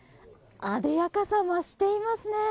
あでやかさ、増していますね。